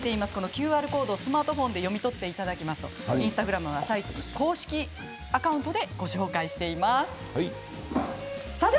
ＱＲコードをスマートフォンで読み取っていただくとインスタグラムの「あさイチ」公式アカウントでご紹介しています。